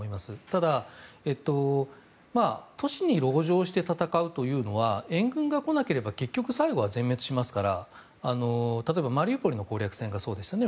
ただ、都市に籠城して戦うというのは援軍が来なければ結局、最後は全滅しますから例えばマリウポリの攻略戦がそうでしたね